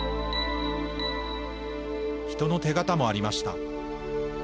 人の手形もありました。